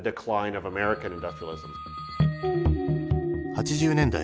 ８０年代